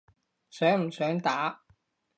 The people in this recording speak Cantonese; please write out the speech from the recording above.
想唔想打？